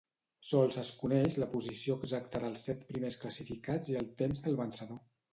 Sols es coneix la posició exacta dels set primers classificats i el temps del vencedor.